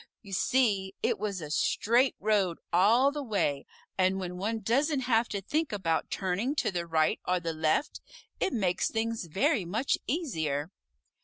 You see it was a straight road all the way, and when one doesn't have to think about turning to the right or the left, it makes things very much easier.